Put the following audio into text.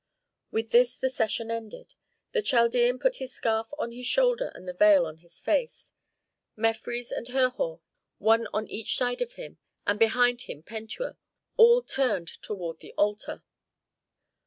With this the session ended. The Chaldean put his scarf on his shoulder and the veil on his face; Mefres and Herhor, one on each side of him, and behind him Pentuer, all turned toward the altar.